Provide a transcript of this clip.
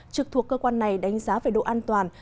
trực thuộc cơ quan này đánh giá về độ an toàn